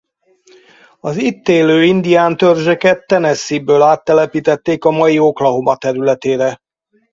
Az itt élő indián törzseket Tennessee-ből áttelepítették a mai Oklahoma területére.